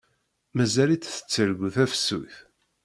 Mazal-itt tettargu tafsut.